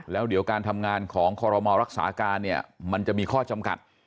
แล้วเดี๋ยวการทำงานของคอรมอรักษาการเนี่ยมันจะมีข้อจำกัด